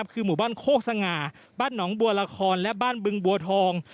คือหมู่บ้านโคกสง่าบ้านหนองบัวละครและบ้านบึงบัวทอง